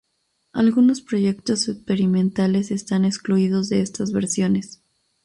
Algunos proyectos experimentales están excluidos de estas versiones.